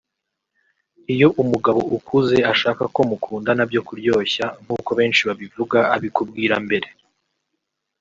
Iyo umugabo ukuze ashaka ko mukundana byo kuryoshya nkuko benshi babivuga abikubwira mbere